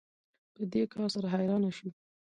په دې کار سره حیرانه شو